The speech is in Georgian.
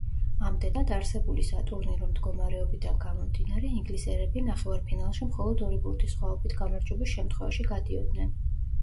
ამდენად, არსებული სატურნირო მდგომარეობიდან გამომდინარე ინგლისელები ნახევარფინალში მხოლოდ ორი ბურთის სხვაობით გამარჯვების შემთხვევაში გადიოდნენ.